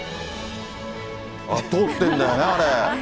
あっ、通ってるんだよね、あれ。